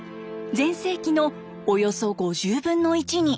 全盛期のおよそ５０分の１に。